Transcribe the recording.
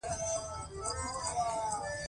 تشناب مو په کور کې دننه دی؟